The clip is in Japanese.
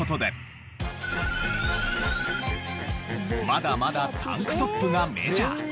まだまだタンクトップがメジャー。